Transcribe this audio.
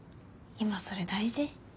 今それ大事？